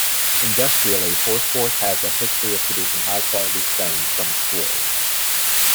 Industrially, Horsforth has a history of producing high quality stone from its quarries.